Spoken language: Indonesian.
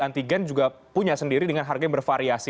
antigen juga punya sendiri dengan harga yang bervariasi